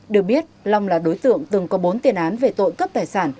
được biết long là đối tượng từng có bốn tiền án về tội cướp tài sản